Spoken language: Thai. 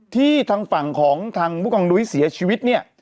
ทางฝั่งของทางผู้กองนุ้ยเสียชีวิตเนี่ย